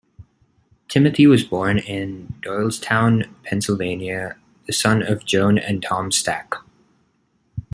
Timothy was born in Doylestown, Pennsylvania, the son of Joan and Tom Stack.